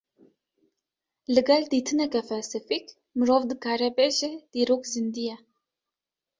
Li gel dîtineke felsefîk, mirov dikare bêje dîrok zîndî ye